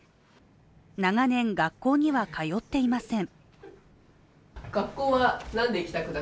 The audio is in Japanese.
長年、学校には通っていません。